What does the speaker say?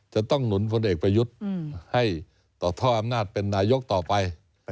จะต้องหนุนพลเอกประยุทธ์ให้ต่อท่ออำนาจเป็นนายกต่อไป